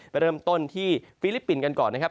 ไปเริ่มต้นที่ฟิลิปปินส์กันก่อนนะครับ